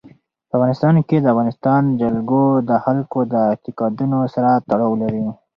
په افغانستان کې د افغانستان جلکو د خلکو د اعتقاداتو سره تړاو لري.